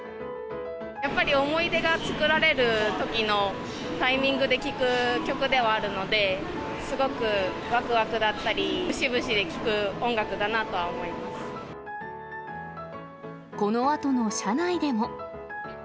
やっぱり思い出が作られるときのタイミングで聴く曲ではあるので、すごくわくわくだったり、このあとの車内でも。